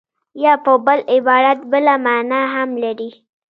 یا په بل عبارت بله مانا هم لري